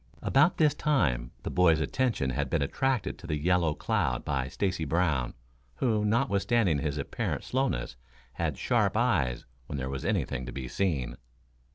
About this time the boys' attention had been attracted to the yellow cloud by Stacy Brown, who, notwithstanding his apparent slowness, had sharp eyes when there was anything to be seen.